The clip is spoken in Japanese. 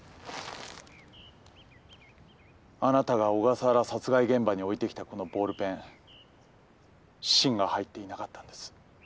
あなたが小笠原殺害現場に置いてきたこのボールペン芯が入っていなかったんです。